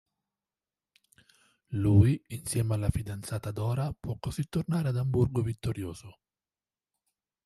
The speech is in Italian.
Lui, insieme alla fidanzata Dora, può così tornare ad Amburgo vittorioso.